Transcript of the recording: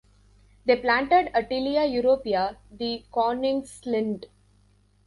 They planted a Tilia europea, the "Koningslinde".